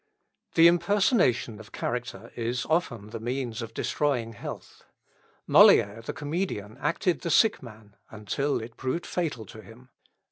The impersonation of character is often the means of destroying health. Molière, the comedian, acted the sick man until it proved fatal to him.